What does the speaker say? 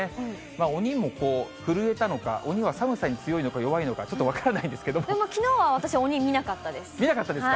鬼も震えたのか、鬼は寒さに強いのか弱いのか、ちょっと分からなでもきのうは私、鬼見なかっ見なかったですか。